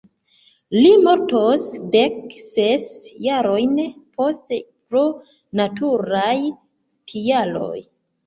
Li mortos dek ses jarojn poste pro naturaj tialoj.